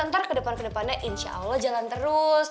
nanti kedepan kedepannya insya allah jalan terus